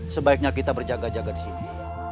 sebaiknya kita berjaga jaga di sini